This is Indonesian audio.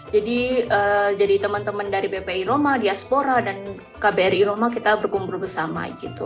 jadi jadi teman teman dari ppi roma di aspora dan kbri roma kita berkumpul bersama gitu